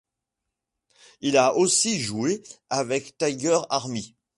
Il a aussi joué avec Tiger Army.